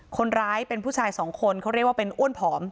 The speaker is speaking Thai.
คนร้ายเป็นผู้ชายสองคนเขาเรียกว่าเป็นอ้วนผอม